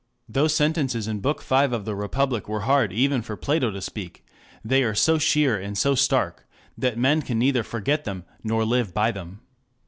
Those sentences in book five of the Republic were hard even for Plato to speak; they are so sheer and so stark that men can neither forget them nor live by them.